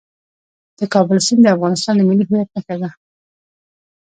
د کابل سیند د افغانستان د ملي هویت نښه ده.